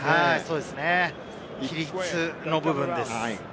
規律の部分です。